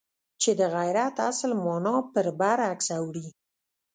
چې د غیرت اصل مانا پر برعکس اوړي.